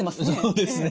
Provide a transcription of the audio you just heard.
そうですね。